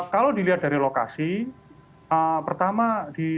kalau dilihat dari lokasi pertama di sebuah rumah ibadah ya saya bisa katakan itu